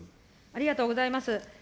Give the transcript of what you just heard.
ありがとうございます。